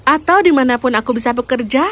atau dimanapun aku bisa bekerja